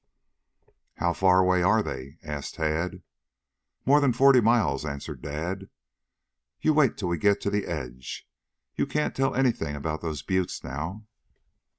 "How far away are they?" asked Tad. "More than forty miles," answered Dad. "You wait till we get to the edge. You can't tell anything about those buttes now."